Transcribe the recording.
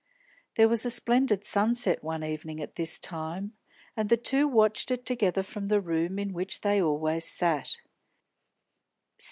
There was a splendid sunset one evening at this time, and the two watched it together from the room in which they always sat.